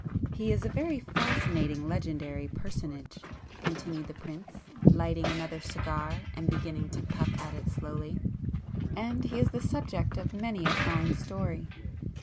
"He is a very fascinating legendary personage;"—continued the prince, lighting another cigar and beginning to puff at it slowly—"And he is the subject of many a fine story.